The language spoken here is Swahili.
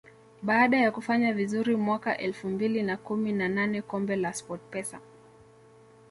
Baada ya kufanya vizuri mwaka elfu mbili na kumi na nane kombe la SportPesa